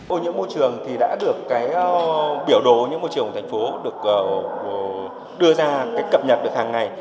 ô nhiễm môi trường thì đã được biểu đồ ô nhiễm môi trường của tp hcm được đưa ra cập nhật được hàng ngày